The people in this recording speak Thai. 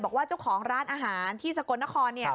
บอกว่าเจ้าของร้านอาหารที่สกลนคร